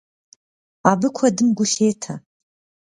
Абы куэдым гу лъетэ.